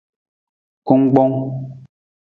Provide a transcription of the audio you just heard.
Kungkpong.